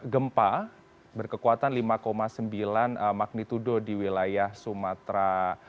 gempa berkekuatan lima sembilan magnitudo di wilayah sumatera